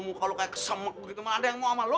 muka lo kayak kesemak begitu mana ada yang mau sama lo